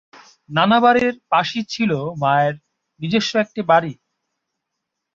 নানা বাড়ির পাশেই ছিলো মায়ের নিজস্ব একটি বাড়ি।